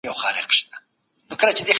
د ځوانانو فکري روزنه ډېره مهمه ده.